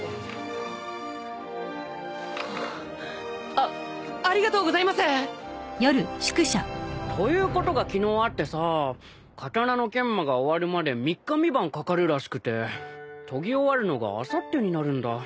あありがとうございます！ということが昨日あってさ刀の研磨が終わるまで三日三晩かかるらしくて研ぎ終わるのがあさってになるんだ。